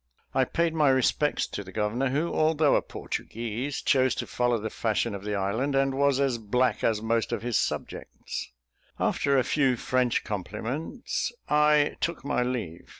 I paid my respects to the governor, who, although a Portuguese, chose to follow the fashion of the island, and was as black as most of his subjects. After a few French compliments, I took my leave.